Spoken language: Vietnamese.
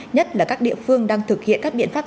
nhất là các địa phương đang thực hiện các biện pháp